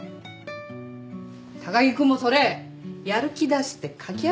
高木君もそれやる気出して書き上げちゃってよ？